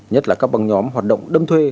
nhất là các băng nhóm hoạt động đâm thuê